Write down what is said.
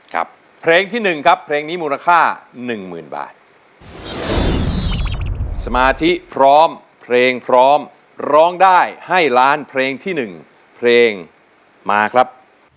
ครับเพลงที่๑ครับเพลงนี้มูลค่า๑๐๐๐๐บาทสมาธิพร้อมเพลงพร้อมร้องได้ให้ล้านเพลงที่๑เพลงมาครับ